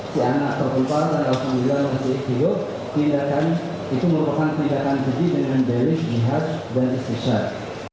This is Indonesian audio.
seakan akan terpimpin pada anak anak yang berada di jirik jirik pasiran jawa timur tidak akan ditumbuhkan ketika tidak akan terdiri dari berisik jahat dan istisar